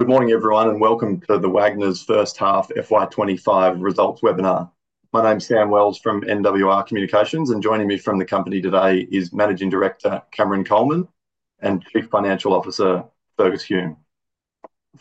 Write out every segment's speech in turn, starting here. Good morning, everyone, and welcome to the Wagners first half FY 2025 results webinar. My name's Sam Wells from NWR Communications, and joining me from the company today is Managing Director Cameron Coleman and Chief Financial Officer Fergus Hume.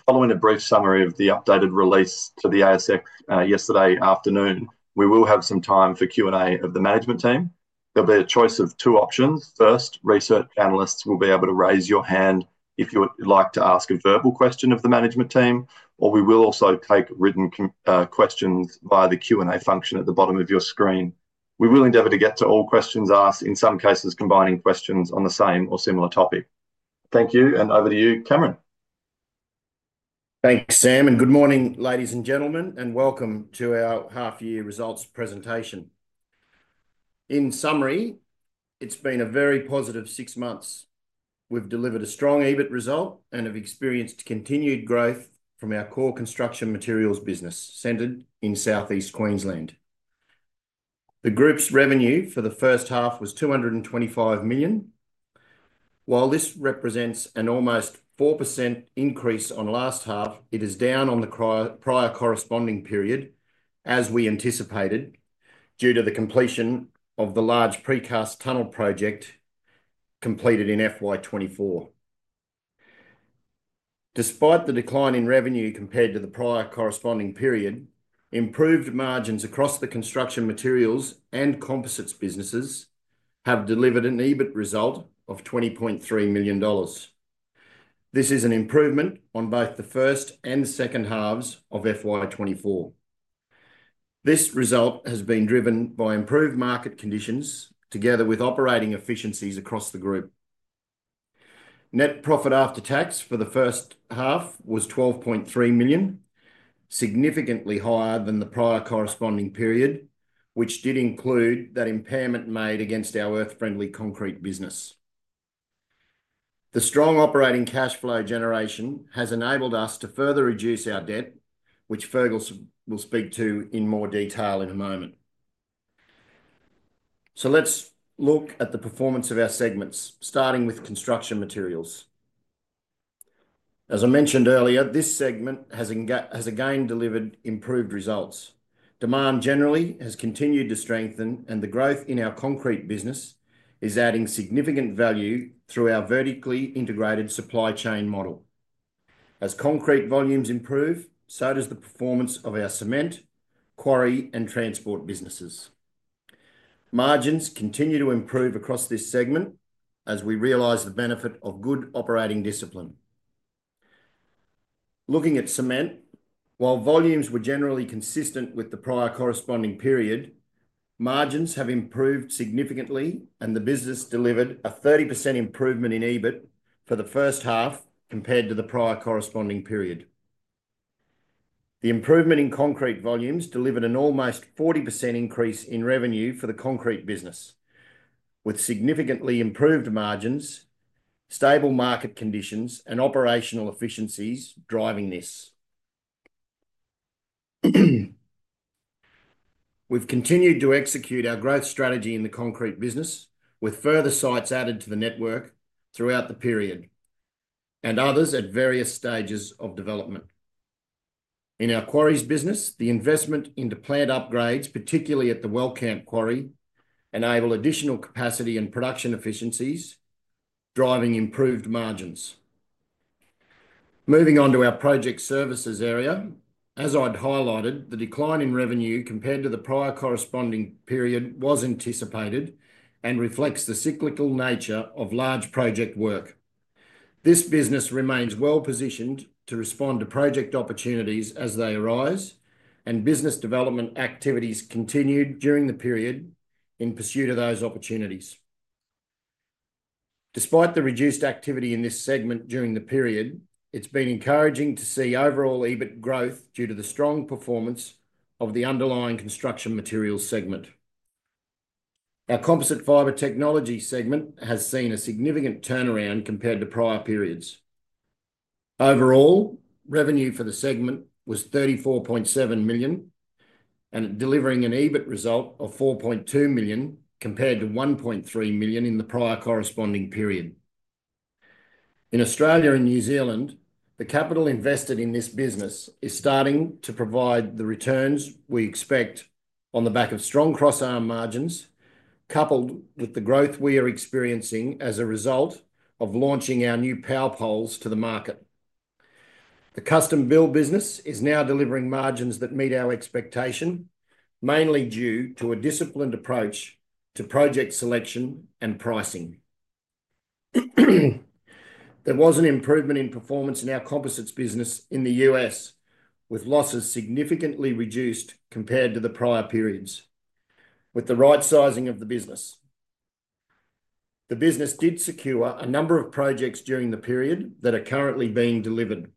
Following a brief summary of the updated release to the ASX yesterday afternoon, we will have some time for Q&A of the management team. There'll be a choice of two options. First, research analysts will be able to raise your hand if you would like to ask a verbal question of the management team, or we will also take written questions via the Q&A function at the bottom of your screen. We will endeavour to get to all questions asked, in some cases combining questions on the same or similar topic. Thank you, and over to you, Cameron. Thanks, Sam, and good morning, ladies and gentlemen, and welcome to our half year results presentation. In summary, it's been a very positive six months. We've delivered a strong EBIT result and have experienced continued growth from our core Construction Materials business centred in South East Queensland. The group's revenue for the first half was AUD 225 million. While this represents an almost 4% increase on last half, it is down on the prior corresponding period, as we anticipated, due to the completion of the large precast tunnel project completed in FY 2024. Despite the decline in revenue compared to the prior corresponding period, improved margins across the Construction Materials and Composites businesses have delivered an EBIT result of 20.3 million dollars. This is an improvement on both the first and second halves of FY 2024. This result has been driven by improved market conditions together with operating efficiencies across the group. Net profit after tax for the first half was 12.3 million, significantly higher than the prior corresponding period, which did include that impairment made against our Earth Friendly Concrete business. The strong operating cash flow generation has enabled us to further reduce our debt, which Fergus will speak to in more detail in a moment. Let's look at the performance of our segments, starting with construction materials. As I mentioned earlier, this segment has again delivered improved results. Demand generally has continued to strengthen, and the growth in our Concrete business is adding significant value through our vertically integrated supply chain model. As concrete volumes improve, so does the performance of our Cement, Quarry, and Transport businesses. Margins continue to improve across this segment as we realise the benefit of good operating discipline. Looking at cement, while volumes were generally consistent with the prior corresponding period, margins have improved significantly, and the business delivered a 30% improvement in EBIT for the first half compared to the prior corresponding period. The improvement in concrete volumes delivered an almost 40% increase in revenue for the Concrete business, with significantly improved margins, stable market conditions, and operational efficiencies driving this. We've continued to execute our growth strategy in the Concrete business, with further sites added to the network throughout the period and others at various stages of development. In our Quarries business, the investment into plant upgrades, particularly at the Wellcamp Quarry, enabled additional capacity and production efficiencies, driving improved margins. Moving on to our Project Services area, as I'd highlighted, the decline in revenue compared to the prior corresponding period was anticipated and reflects the cyclical nature of large project work. This business remains well positioned to respond to project opportunities as they arise, and business development activities continued during the period in pursuit of those opportunities. Despite the reduced activity in this segment during the period, it's been encouraging to see overall EBIT growth due to the strong performance of the underlying Construction Materials segment. Our Composite Fibre Technologies segment has seen a significant turnaround compared to prior periods. Overall, revenue for the segment was 34.7 million, and it's delivering an EBIT result of 4.2 million compared to 1.3 million in the prior corresponding period. In Australia and New Zealand, the capital invested in this business is starting to provide the returns we expect on the back of strong crossarm margins, coupled with the growth we are experiencing as a result of launching our new power poles to the market. The Custom Build business is now delivering margins that meet our expectation, mainly due to a disciplined approach to project selection and pricing. There was an improvement in performance in our Composites business in the U.S., with losses significantly reduced compared to the prior periods, with the right sizing of the business. The business did secure a number of projects during the period that are currently being delivered.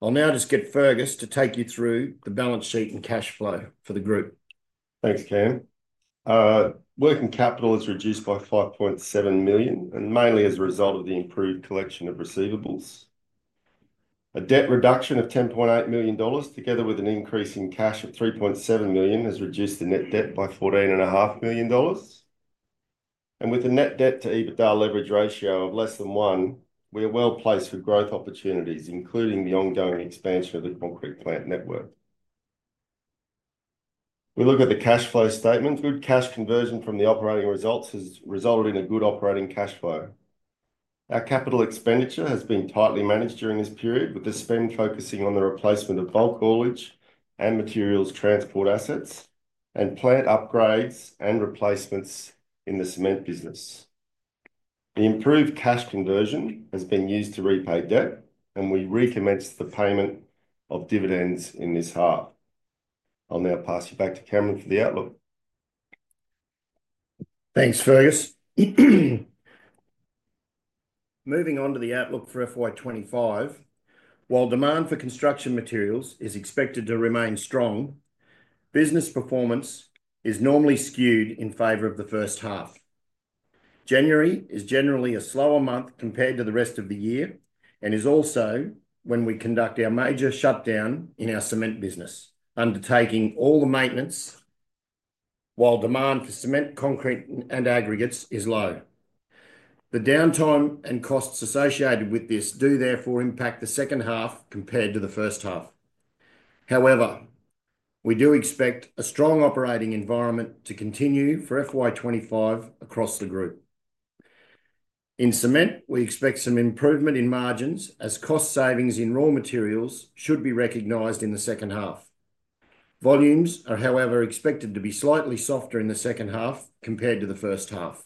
I'll now just get Fergus to take you through the balance sheet and cash flow for the group. Thanks, Cam. Working capital has reduced by 5.7 million, and mainly as a result of the improved collection of receivables. A debt reduction of 10.8 million dollars, together with an increase in cash of 3.7 million, has reduced the net debt by 14.5 million dollars. With the net debt to EBITDA leverage ratio of less than one, we are well placed for growth opportunities, including the ongoing expansion of the concrete plant network. We look at the cash flow statement. Good cash conversion from the operating results has resulted in a good operating cash flow. Our capital expenditure has been tightly managed during this period, with the spend focusing on the replacement of bulk haulage and materials transport assets and plant upgrades and replacements in the Cement business. The improved cash conversion has been used to repay debt, and we recommence the payment of dividends in this half. I'll now pass you back to Cameron for the outlook. Thanks, Fergus. Moving on to the outlook for FY 2025, while demand for construction materials is expected to remain strong, business performance is normally skewed in favor of the first half. January is generally a slower month compared to the rest of the year and is also when we conduct our major shutdown in our Cement business, undertaking all the maintenance, while demand for cement, concrete, and aggregates is low. The downtime and costs associated with this do therefore impact the second half compared to the first half. However, we do expect a strong operating environment to continue for FY 2025 across the group. In cement, we expect some improvement in margins as cost savings in raw materials should be recognized in the second half. Volumes are, however, expected to be slightly softer in the second half compared to the first half.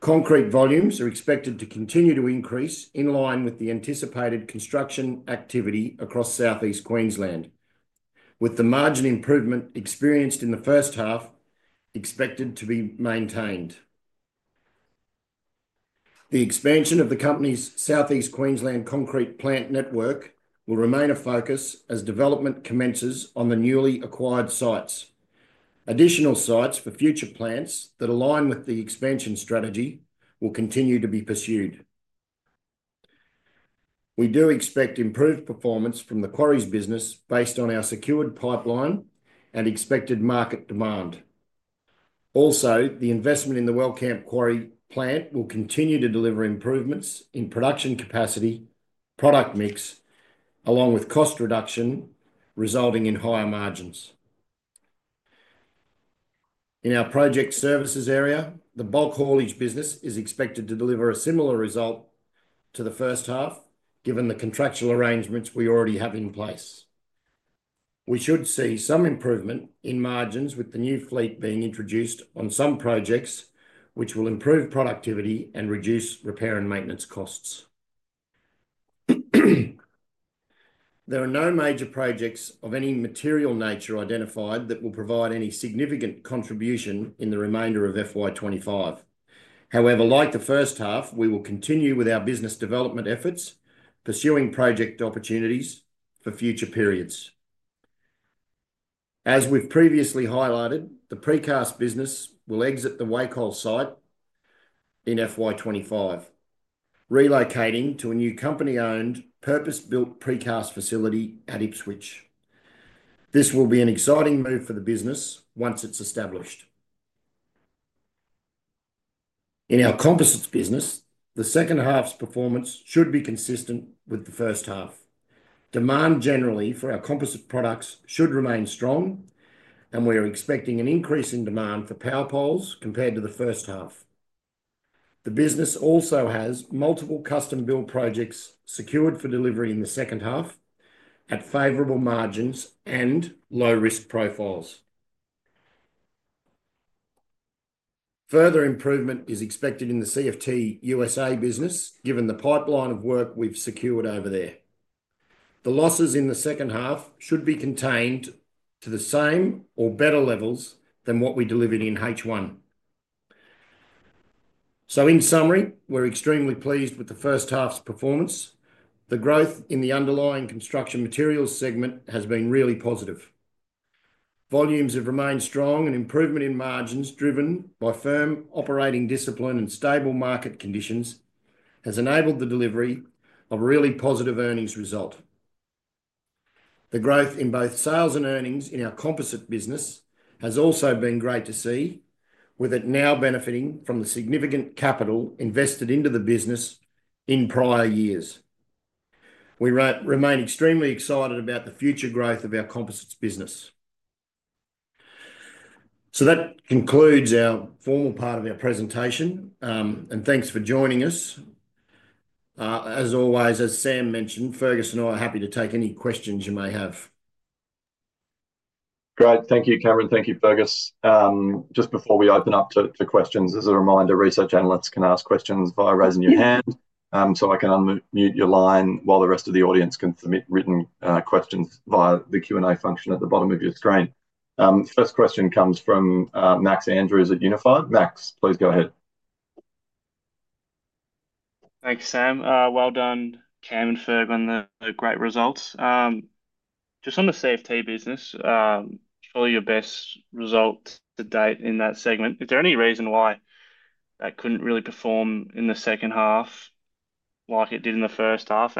Concrete volumes are expected to continue to increase in line with the anticipated construction activity across South East Queensland, with the margin improvement experienced in the first half expected to be maintained. The expansion of the company's South East Queensland concrete plant network will remain a focus as development commences on the newly acquired sites. Additional sites for future plants that align with the expansion strategy will continue to be pursued. We do expect improved performance from the Quarries business based on our secured pipeline and expected market demand. Also, the investment in the Wellcamp Quarry plant will continue to deliver improvements in production capacity, product mix, along with cost reduction, resulting in higher margins. In our Project Services area, the Bulk Haulage business is expected to deliver a similar result to the first half, given the contractual arrangements we already have in place. We should see some improvement in margins with the new fleet being introduced on some projects, which will improve productivity and reduce repair and maintenance costs. There are no major projects of any material nature identified that will provide any significant contribution in the remainder of FY 2025. However, like the first half, we will continue with our business development efforts, pursuing project opportunities for future periods. As we've previously highlighted, the Precast business will exit the Wacol site in FY 2025, relocating to a new company-owned purpose-built precast facility at Ipswich. This will be an exciting move for the business once it's established. In our Composites business, the second half's performance should be consistent with the first half. Demand generally for our composite products should remain strong, and we are expecting an increase in demand for power poles compared to the first half. The business also has multiple Custom Build projects secured for delivery in the second half at favorable margins and low-risk profiles. Further improvement is expected in the CFT USA business, given the pipeline of work we've secured over there. The losses in the second half should be contained to the same or better levels than what we delivered in H1. In summary, we're extremely pleased with the first half's performance. The growth in the underlying Construction Materials segment has been really positive. Volumes have remained strong, and improvement in margins driven by firm operating discipline and stable market conditions has enabled the delivery of a really positive earnings result. The growth in both sales and earnings in our composite business has also been great to see, with it now benefiting from the significant capital invested into the business in prior years. We remain extremely excited about the future growth of our Composites business. That concludes our formal part of our presentation, and thanks for joining us. As always, as Sam mentioned, Fergus and I are happy to take any questions you may have. Great. Thank you, Cameron. Thank you, Fergus. Just before we open up to questions, as a reminder, research analysts can ask questions via raising your hand, so I can unmute your line while the rest of the audience can submit written questions via the Q&A function at the bottom of your screen. First question comes from Max Andrews at Unified. Max, please go ahead. Thanks, Sam. Well done, Cam and Ferg on the great results. Just on the CFT business, surely your best result to date in that segment. Is there any reason why that couldn't really perform in the second half like it did in the first half?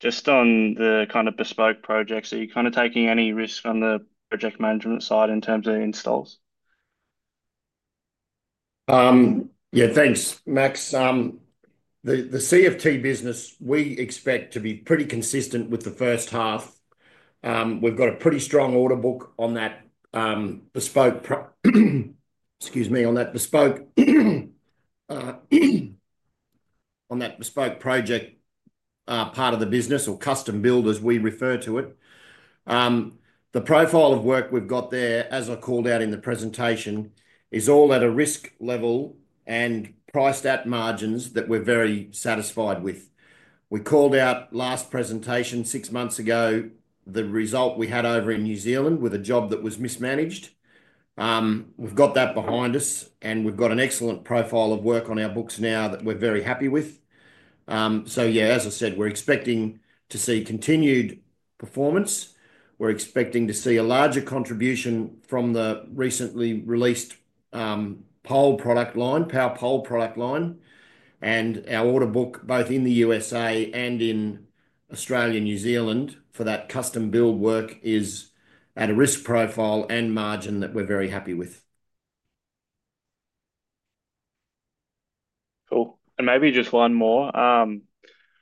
Just on the kind of bespoke projects, are you kind of taking any risk on the project management side in terms of the installs? Yeah, thanks, Max. The CFT business, we expect to be pretty consistent with the first half. We've got a pretty strong order book on that bespoke project part of the business, or Custom Build as we refer to it. The profile of work we've got there, as I called out in the presentation, is all at a risk level and priced at margins that we're very satisfied with. We called out last presentation six months ago, the result we had over in New Zealand with a job that was mismanaged. We've got that behind us, and we've got an excellent profile of work on our books now that we're very happy with. Yeah, as I said, we're expecting to see continued performance. We're expecting to see a larger contribution from the recently released power pole product line. Our order book, both in the U.S.A. and in Australia and New Zealand for that Custom Build work, is at a risk profile and margin that we're very happy with. Cool. Maybe just one more.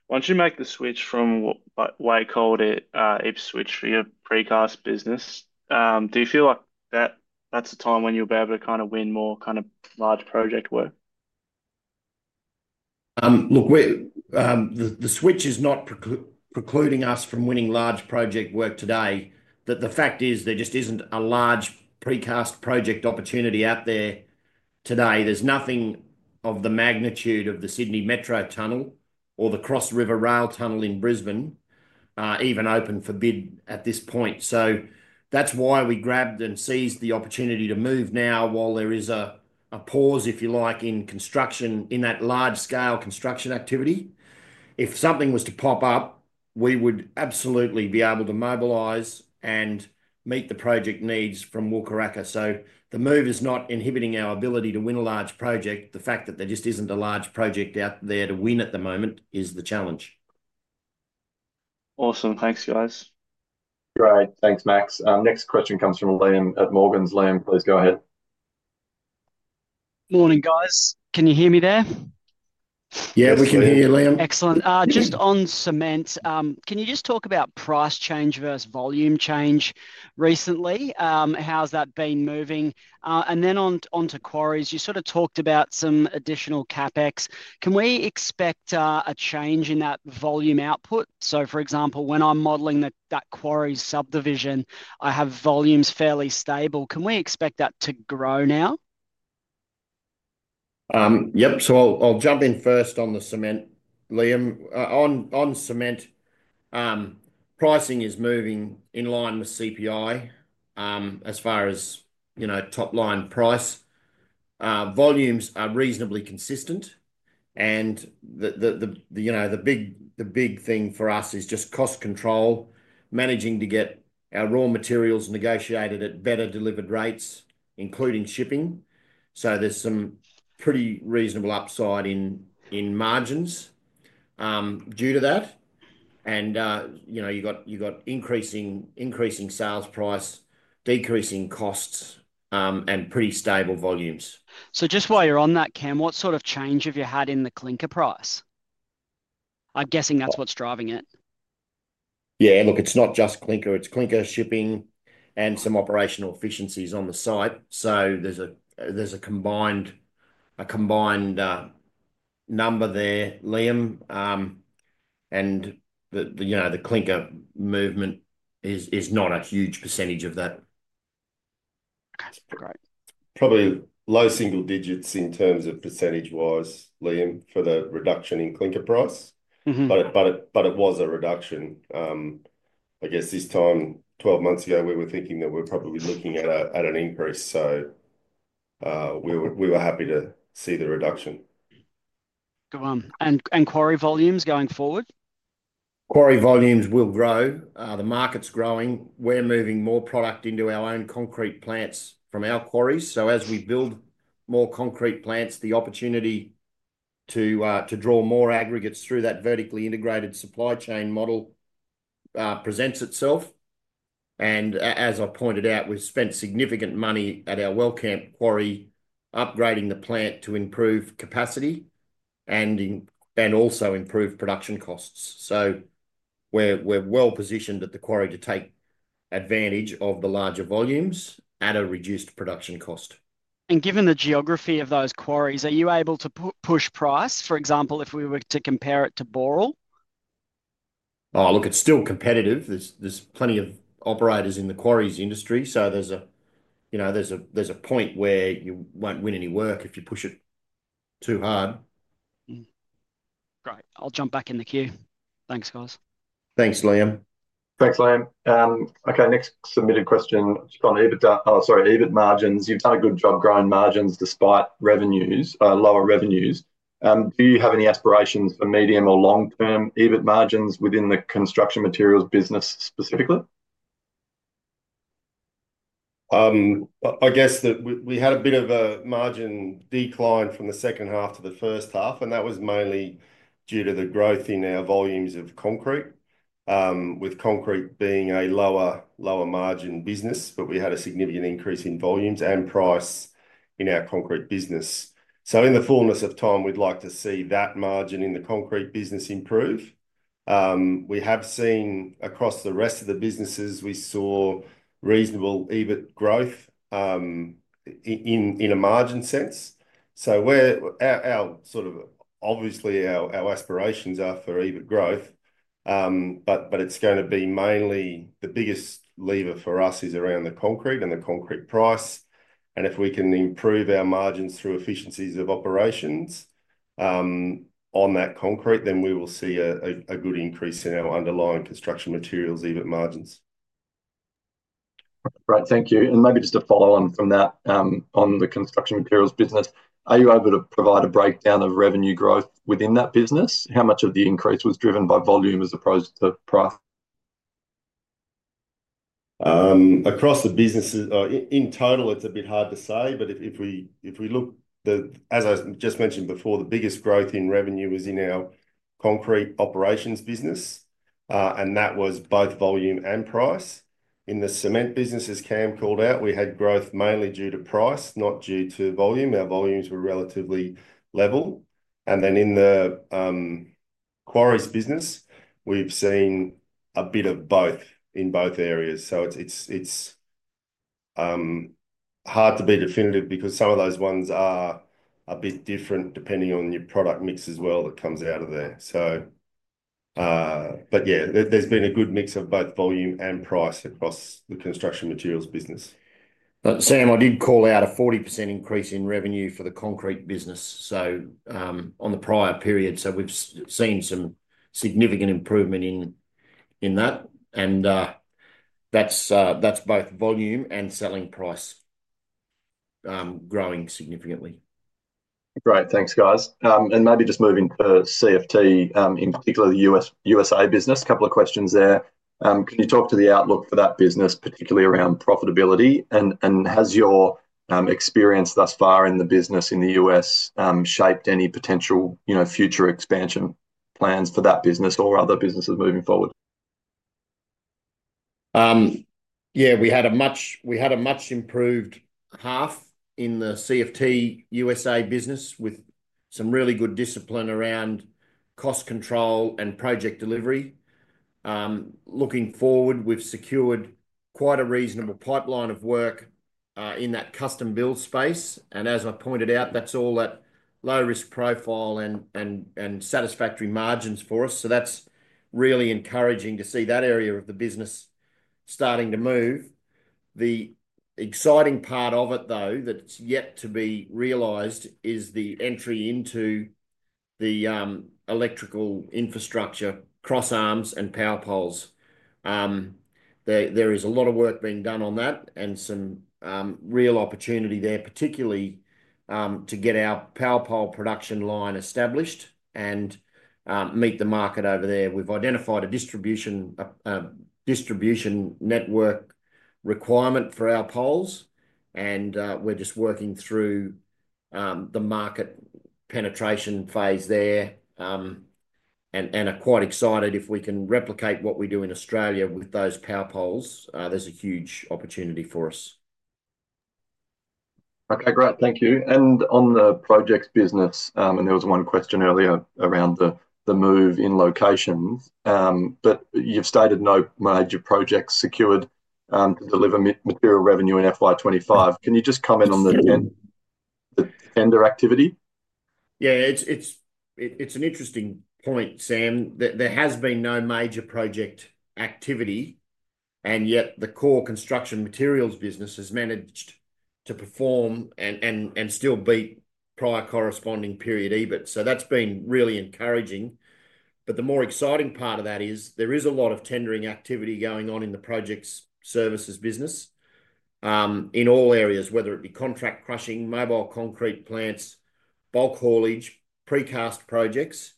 Once you make the switch from Wacol to Ipswich for your precast business, do you feel like that's a time when you'll be able to kind of win more kind of large project work? Look, the switch is not precluding us from winning large project work today. The fact is there just isn't a large precast project opportunity out there today. There's nothing of the magnitude of the Sydney Metro Tunnel or the Cross River Rail Tunnel in Brisbane even open for bid at this point. That is why we grabbed and seized the opportunity to move now while there is a pause, if you like, in construction, in that large-scale construction activity. If something was to pop up, we would absolutely be able to mobilize and meet the project needs from Wulkuraka. The move is not inhibiting our ability to win a large project. The fact that there just isn't a large project out there to win at the moment is the challenge. Awesome. Thanks, guys. Great. Thanks, Max. Next question comes from Liam at Morgans. Liam, please go ahead. Morning, guys. Can you hear me there? Yeah, we can hear you, Liam. Excellent. Just on Cement, can you just talk about price change versus volume change recently? How's that been moving? On Quarries, you sort of talked about some additional CapEx. Can we expect a change in that volume output? For example, when I'm modelling that quarry subdivision, I have volumes fairly stable. Can we expect that to grow now? Yep. I'll jump in first on the Cement. Liam, on cement, pricing is moving in line with CPI as far as top-line price. Volumes are reasonably consistent. The big thing for us is just cost control, managing to get our raw materials negotiated at better delivered rates, including shipping. There is some pretty reasonable upside in margins due to that. You have increasing sales price, decreasing costs, and pretty stable volumes. Just while you're on that, Cam, what sort of change have you had in the clinker price? I'm guessing that's what's driving it. Yeah. Look, it's not just clinker. It's clinker shipping and some operational efficiencies on the site. There's a combined number there, Liam. The clinker movement is not a huge percentage of that. Okay. Great. Probably low single digits in terms of percentage-wise, Liam, for the reduction in clinker price. But it was a reduction. I guess this time, 12 months ago, we were thinking that we're probably looking at an increase. So we were happy to see the reduction. Go on. Quarry volumes going forward? Quarry volumes will grow. The market's growing. We're moving more product into our own concrete plants from our quarries. As we build more concrete plants, the opportunity to draw more aggregates through that vertically integrated supply chain model presents itself. As I pointed out, we've spent significant money at our Wellcamp Quarry upgrading the plant to improve capacity and also improve production costs. We're well positioned at the quarry to take advantage of the larger volumes at a reduced production cost. Given the geography of those quarries, are you able to push price? For example, if we were to compare it to Boral? Oh, look, it's still competitive. There's plenty of operators in the quarries industry. There is a point where you won't win any work if you push it too hard. Great. I'll jump back in the queue. Thanks, guys. Thanks, Liam. Thanks, Liam. Okay. Next submitted question is from EBITDA. Oh, sorry, EBIT margins. You've done a good job growing margins despite lower revenues. Do you have any aspirations for medium- or long-term EBIT margins within the construction materials business specifically? I guess that we had a bit of a margin decline from the second half to the first half, and that was mainly due to the growth in our volumes of concrete, with concrete being a lower margin business, but we had a significant increase in volumes and price in our Concrete business. In the fullness of time, we'd like to see that margin in the Concrete business improve. We have seen across the rest of the businesses, we saw reasonable EBIT growth in a margin sense. Our sort of, obviously, our aspirations are for EBIT growth, but it's going to be mainly the biggest lever for us is around the concrete and the concrete price. If we can improve our margins through efficiencies of operations on that concrete, then we will see a good increase in our underlying Construction Materials EBIT margins. Great. Thank you. Maybe just a follow-on from that on the Construction Materials business. Are you able to provide a breakdown of revenue growth within that business? How much of the increase was driven by volume as opposed to price? Across the businesses, in total, it's a bit hard to say, but if we look, as I just mentioned before, the biggest growth in revenue was in our Concrete operations business, and that was both volume and price. In the Cement businesses, Cam called out, we had growth mainly due to price, not due to volume. Our volumes were relatively level. In the Quarries business, we've seen a bit of both in both areas. It's hard to be definitive because some of those ones are a bit different depending on your product mix as well that comes out of there. Yeah, there's been a good mix of both volume and price across the Construction Materials business. Sam, I did call out a 40% increase in revenue for the Concrete business on the prior period. We have seen some significant improvement in that. That is both volume and selling price growing significantly. Great. Thanks, guys. Maybe just moving to CFT, in particular, the U.S.A. business, a couple of questions there. Can you talk to the outlook for that business, particularly around profitability? Has your experience thus far in the business in the U.S. shaped any potential future expansion plans for that business or other businesses moving forward? Yeah. We had a much improved half in the CFT USA business with some really good discipline around cost control and project delivery. Looking forward, we've secured quite a reasonable pipeline of work in that custom build space. As I pointed out, that's all at low-risk profile and satisfactory margins for us. That is really encouraging to see that area of the business starting to move. The exciting part of it, though, that's yet to be realised is the entry into the electrical infrastructure, crossarms, and power poles. There is a lot of work being done on that and some real opportunity there, particularly to get our power pole production line established and meet the market over there. We've identified a distribution network requirement for our poles, and we're just working through the market penetration phase there. We are quite excited if we can replicate what we do in Australia with those power poles. There's a huge opportunity for us. Okay. Great. Thank you. On the Projects business, there was one question earlier around the move in locations, but you've stated no major projects secured to deliver material revenue in FY2025. Can you just comment on the tender activity? Yeah. It's an interesting point, Sam. There has been no major project activity, and yet the core Construction Materials business has managed to perform and still beat prior corresponding period EBIT. That has been really encouraging. The more exciting part of that is there is a lot of tendering activity going on in the Projects Services business in all areas, whether it be contract crushing, mobile concrete plants, bulk haulage, precast projects.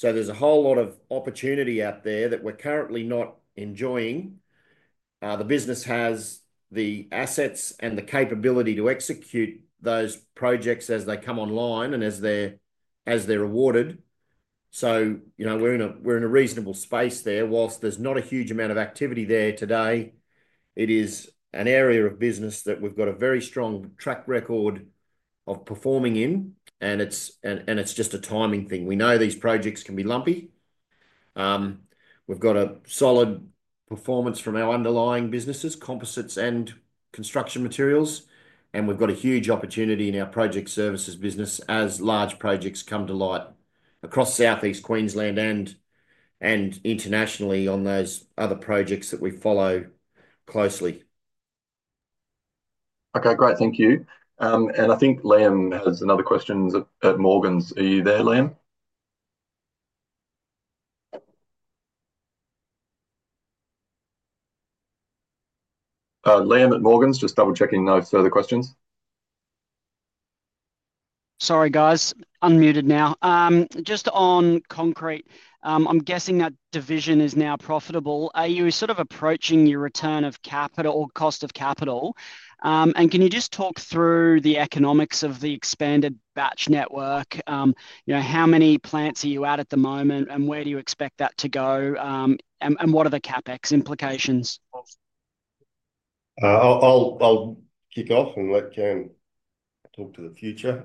There is a whole lot of opportunity out there that we're currently not enjoying. The business has the assets and the capability to execute those projects as they come online and as they're awarded. We're in a reasonable space there. Whilst there's not a huge amount of activity there today, it is an area of business that we've got a very strong track record of performing in, and it's just a timing thing. We know these projects can be lumpy. We've got a solid performance from our underlying businesses, Composites and Construction Materials, and we've got a huge opportunity in our Project Services business as large projects come to light across South East Queensland and internationally on those other projects that we follow closely. Okay. Great. Thank you. I think Liam has another question at Morgans. Are you there, Liam? Liam at Morgans, just double-checking no further questions. Sorry, guys. Unmuted now. Just on Concrete, I'm guessing that division is now profitable. Are you sort of approaching your return of capital or cost of capital? Can you just talk through the economics of the expanded batch network? How many plants are you at at the moment, and where do you expect that to go, and what are the CapEx implications? I'll kick off and let Cam talk to the future.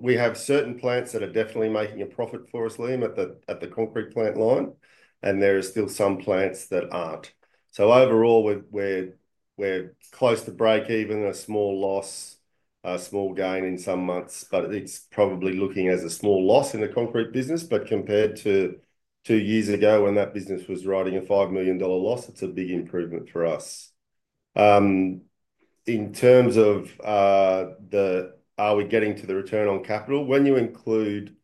We have certain plants that are definitely making a profit for us, Liam, at the concrete plant line, and there are still some plants that aren't. Overall, we're close to break-even, a small loss, a small gain in some months, but it's probably looking as a small loss in the Concrete business. Compared to two years ago when that business was riding a 5 million dollar loss, it's a big improvement for us. In terms of are we getting to the return on capital when you include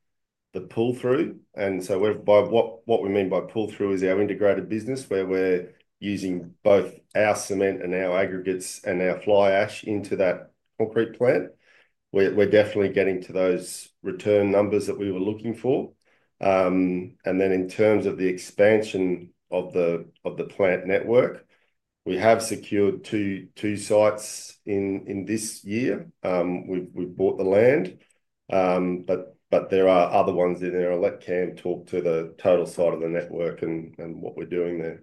the pull-through? By what we mean by pull-through is our Integrated business where we're using both our cement and our aggregates and our fly ash into that concrete plant. We're definitely getting to those return numbers that we were looking for. In terms of the expansion of the plant network, we have secured two sites in this year. We've bought the land, but there are other ones in there. I'll let Cam talk to the total side of the network and what we're doing there.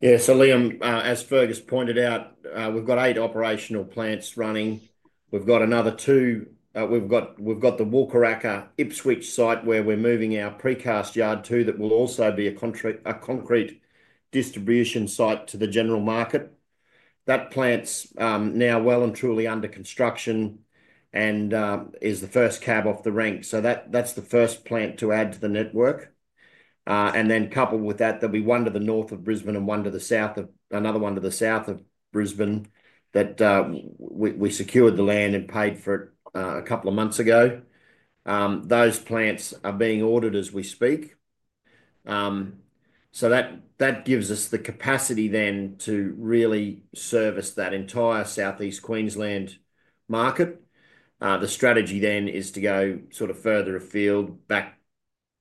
Yeah. So Liam, as Fergus pointed out, we've got eight operational plants running. We've got another two. We've got the Wulkuraka, Ipswich site where we're moving our precast yard to that will also be a concrete distribution site to the general market. That plant's now well and truly under construction and is the first cab off the rank. That's the first plant to add to the network. Coupled with that, there'll be one to the north of Brisbane and another one to the south of Brisbane that we secured the land and paid for a couple of months ago. Those plants are being ordered as we speak. That gives us the capacity then to really service that entire South East Queensland market. The strategy then is to go sort of further afield back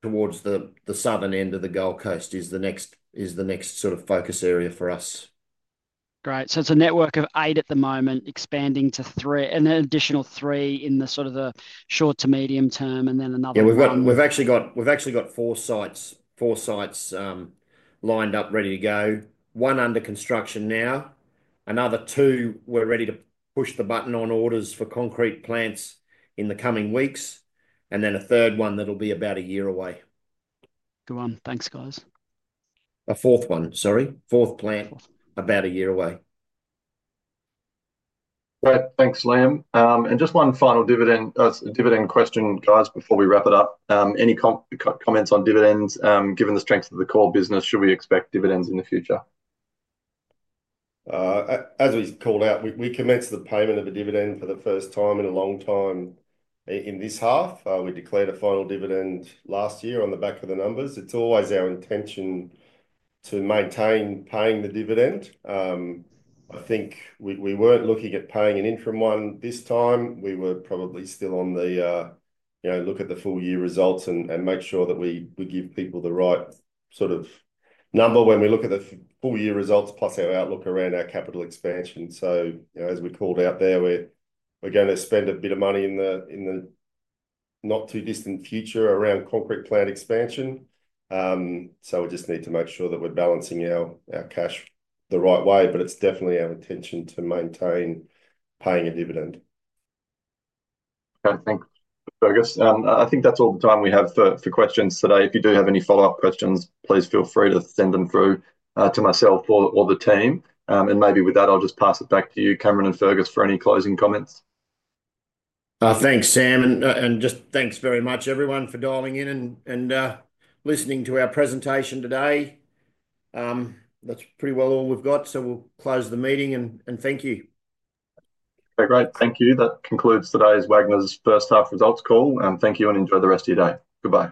towards the southern end of the Gold Coast is the next sort of focus area for us. Great. It is a network of eight at the moment, expanding to three and an additional three in the sort of the short to medium term, and then another one. Yeah. We've actually got four sites lined up ready to go. One under construction now. Another two we're ready to push the button on orders for concrete plants in the coming weeks. And then a third one that'll be about a year away. Go on. Thanks, guys. A fourth one, sorry. Fourth plant about a year away. Great. Thanks, Liam. Just one final dividend question, guys, before we wrap it up. Any comments on dividends? Given the strength of the core business, should we expect dividends in the future? As we called out, we commenced the payment of a dividend for the first time in a long time in this half. We declared a final dividend last year on the back of the numbers. It's always our intention to maintain paying the dividend. I think we weren't looking at paying an interim one this time. We were probably still on the look at the full year results and make sure that we give people the right sort of number when we look at the full year results plus our outlook around our capital expansion. As we called out there, we're going to spend a bit of money in the not-too-distant future around concrete plant expansion. We just need to make sure that we're balancing our cash the right way, but it's definitely our intention to maintain paying a dividend. Great. Thanks, Fergus. I think that's all the time we have for questions today. If you do have any follow-up questions, please feel free to send them through to myself or the team. Maybe with that, I'll just pass it back to you, Cameron and Fergus, for any closing comments. Thanks, Sam. Thank you very much, everyone, for dialing in and listening to our presentation today. That is pretty well all we have got. We will close the meeting, and thank you. Okay. Great. Thank you. That concludes today's Wagners first half results call. Thank you and enjoy the rest of your day. Goodbye.